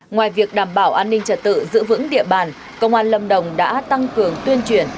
ngoài việc đảm bảo an ninh trật tự giữ vững địa bàn công an lâm đồng đã tăng cường tuyên truyền